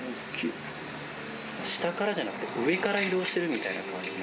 下からじゃなくて、上から移動してるみたいな感じの。